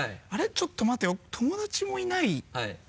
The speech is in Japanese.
ちょっと待てよ友達もいない。